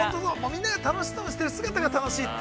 みんな楽しそうにしている姿が楽しいって。